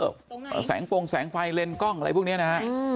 ใช้โฟงแสงไฟเลนก้องอะไรพวกนี้นะ